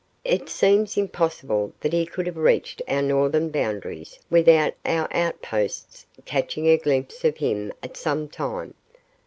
It seems impossible that he could have reached our northern boundaries without our outposts catching a glimpse of him at some time.